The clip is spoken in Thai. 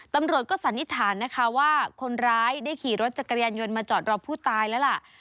ตำรวจก็สันนิษฐานนะคะว่าคนร้ายได้ขี่รถจักรยานยนต์มาจอดรอผู้ตายแล้วล่ะ